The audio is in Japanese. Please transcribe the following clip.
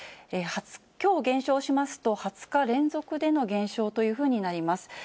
きょう減少しますと、２０日連続での減少というふうになります。